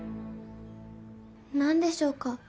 なんでしょうか？